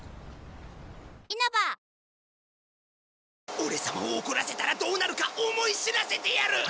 オレ様を怒らせたらどうなるか思い知らせてやる！